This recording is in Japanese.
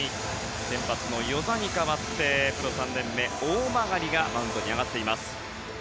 先発の與座に代わってプロ３年目、大曲がマウンドに上がっています。